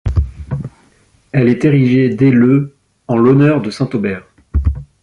Elle est érigée dès le en l'honneur de Saint Aubert.